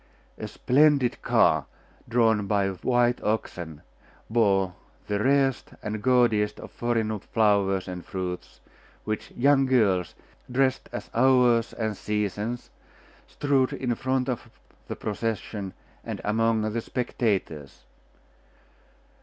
A splendid car, drawn by white oxen, bore the rarest and gaudiest of foreign flowers and fruits, which young girls, dressed as Hours and Seasons, strewed in front of the procession and among the spectators.